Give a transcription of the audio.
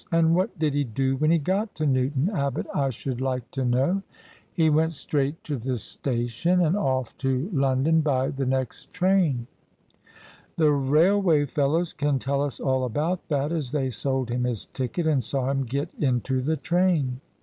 " And what did he do when he got to Newton Abbot, I shoiild like to know?" " He went straight to the station, and ofiE to London by THE SUBJECTION the next train. The railway fellows can tell us all about that, as they sold him his ticket and saw him get into the train."